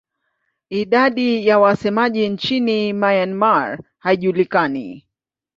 Idadi ya wasemaji nchini Myanmar haijulikani.